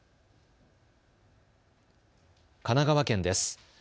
神奈川県です。